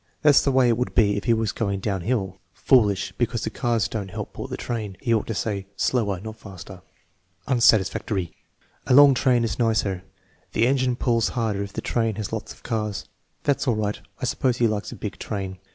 "That's the way it would be if he was going down hill." "Foolish, because the cars don't help pull the train." "He ought to say slower, not faster." Unsatisfactory. "A long train is nicer." "The engine pulls harder if the train has lots of cars." "That's all right. I suppose he likes a big train."